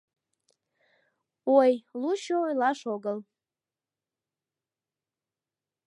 Ой, лучо ойлаш огыл.